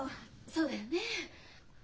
そうだよねえ。